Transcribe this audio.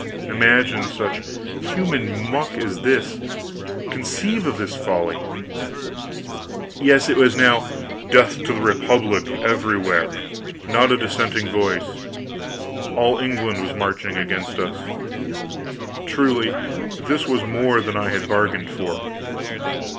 Imagine such human muck as this; conceive of this folly! Yes, it was now "Death to the Republic!" everywhere not a dissenting voice. All England was marching against us! Truly, this was more than I had bargained for.